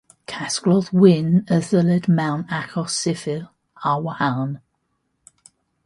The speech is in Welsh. Casglodd Wynn y ddyled mewn achos sifil ar wahân.